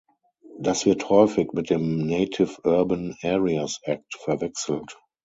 Das wird häufig mit dem "Native Urban Areas Act" verwechselt.